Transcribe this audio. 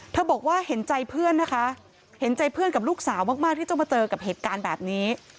บอกว่าเห็นใจเพื่อนนะคะเห็นใจเพื่อนกับลูกสาวมากที่ต้องมาเจอกับเหตุการณ์แบบนี้